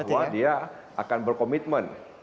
bahwa dia akan berkomitmen